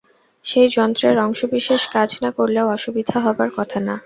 সেই যন্ত্রের অংশবিশেষ কাজ না করলেও অসুবিধা হবার কথা না।